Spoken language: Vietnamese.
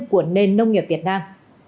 của nền nông nghiệp việt nam